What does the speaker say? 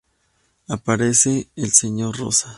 Aparece el señor Rosa.